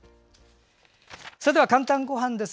それでは「かんたんごはん」です。